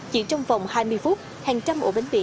chỉ trong vòng hai mươi phút hàng trăm ổ bánh mì